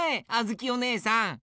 あづきおねえさん。